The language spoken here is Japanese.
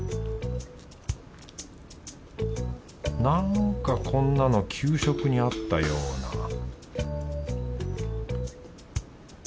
なんかこんなの給食にあったような